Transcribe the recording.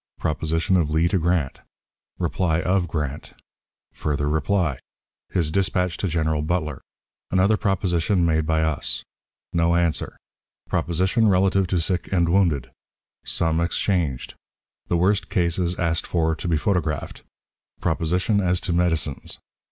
Proposition of Lee to Grant. Reply of Grant. Further Reply. His Dispatch to General Butler. Another Proposition made by us. No Answer. Proposition relative to Sick and Wounded. Some exchanged. The Worst Cases asked for to be photographed. Proposition as to Medicines.